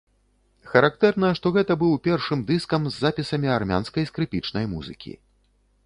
Характэрна, што гэта быў першым дыскам з запісамі армянскай скрыпічнай музыкі.